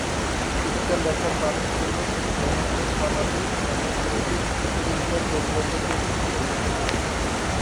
তিনি তার লেখার মানের জন্য এবং তার সামাজিক এবং নৈতিক চিন্তার গভীরতার জন্য স্বীকৃত।